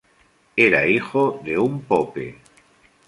Era hijo de un pope.